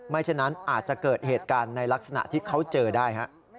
ฉะนั้นอาจจะเกิดเหตุการณ์ในลักษณะที่เขาเจอได้